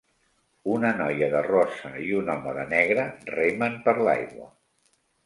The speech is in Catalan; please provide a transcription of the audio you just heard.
Una noia de rosa i un home de negre remen per l'aigua.